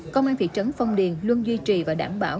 công an thị trấn phong điền luôn duy trì và đảm bảo